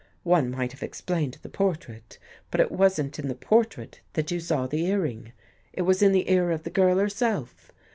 One might have explained the portrait, but it wasn't in the portrait that you saw the earring. It was In the ear of the girl herself.